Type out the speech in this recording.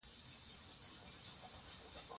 چای، قهوه او سګرټ باید ورو ورو کم شي.